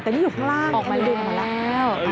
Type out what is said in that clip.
แต่มันอยู่ข้างล่างออกมาแล้ว